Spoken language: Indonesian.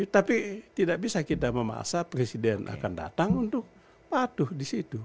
tapi tidak bisa kita memaksa presiden akan datang untuk paduh disitu